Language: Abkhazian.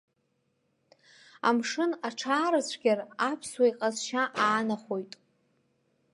Амшын аҽаарыцәгьар, аԥсуа иҟазшьа аанахәоит.